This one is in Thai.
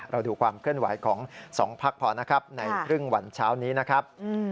ดูความเคลื่อนไหวของ๒พักพอนะครับในครึ่งวันเช้านี้นะครับ